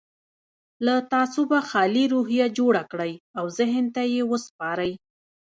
له تعصبه خالي روحيه جوړه کړئ او ذهن ته يې وسپارئ.